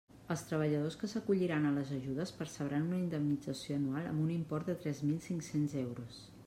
Els treballadors que s'acolliran a les ajudes percebran una indemnització anual amb un import de tres mil cinc-cents euros.